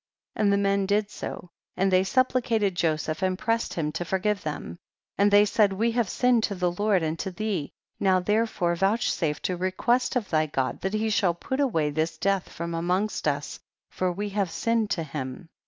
47. And the men did so, and they supplicated Joseph and pressed him to forgive them ; and they said, we liave sinned to the Lord and to thee, now therefore vouchsafe to request of thy God that he shall put away this death from amongst us, for we have sinned to him.